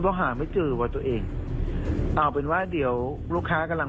เพราะหาไม่เจอว่าตัวเองเอาเป็นว่าเดี๋ยวลูกค้ากำลัง